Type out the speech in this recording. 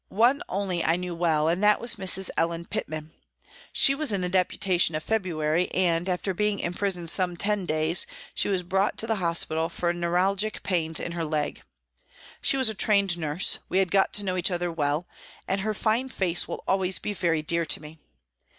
One only I knew well, and that was Miss Ellen Pitman. She was in the Deputation of February and, after being in prison some ten days, she was brought to the hospital for neuralgic pains in her leg. She was a trained nurse, we had got to know each other well, and her fine face will always be very dear to me.